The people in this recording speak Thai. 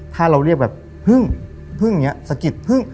ถ้าเราเรียกแบบพึ่งพึ่งอย่างนี้สะกิดพึ่ง